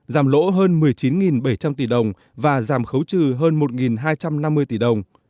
giảm lỗ hơn một mươi chín bảy trăm linh tỷ đồng và giảm khấu trừ hơn một hai trăm năm mươi tỷ đồng